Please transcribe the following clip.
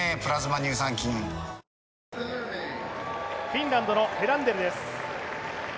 フィンランドのヘランデルです。